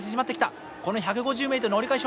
この１５０ｍの折り返しはどうか？